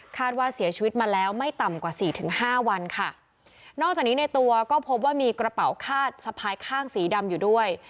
ว่าเสียชีวิตมาแล้วไม่ต่ำกว่าสี่ถึงห้าวันค่ะนอกจากนี้ในตัวก็พบว่ามีกระเป๋าคาดสะพายข้างสีดำอยู่ด้วย